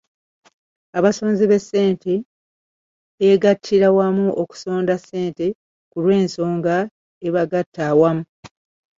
Abasonzi ba ssente beegattira wamu okusonda ssente ku lw'ensonga ebagatta awamu.